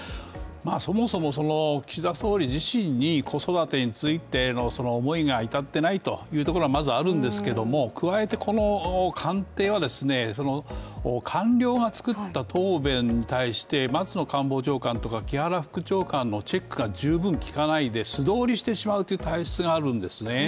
そもそも岸田総理自身に子育てについての思いが至ってないというところがまずあるんですけども加えてこの官邸は、官僚が作った答弁に対して松野官房長官とか木原副長官のチェックが十分効かないで素通りしてしまうという体質があるんですね。